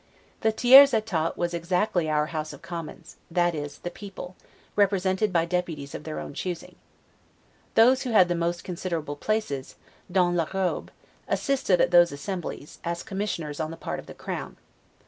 The Tiers Etat was exactly our House of Commons, that is, the people, represented by deputies of their own choosing. Those who had the most considerable places, 'dans la robe', assisted at those assemblies, as commissioners on the part of the Crown.